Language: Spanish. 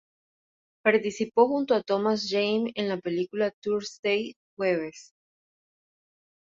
Participó junto a Thomas Jane en la película "Thursday", Jueves.